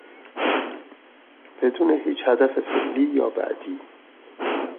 بدون هیچ هدف فعلی یا بعدی